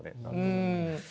うん。